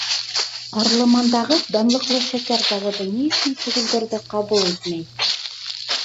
Ҡарлымандағы данлыҡлы шәкәр заводы ни өсөн сөгөлдөрҙө ҡабул итмәй?